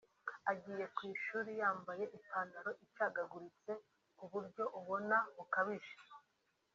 agiye ku ishuri yamabaye ipantalo icagaguritse kuburyo ubona bukabije